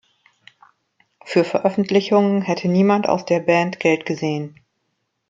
Für Veröffentlichungen hätte niemand aus der Band Geld gesehen.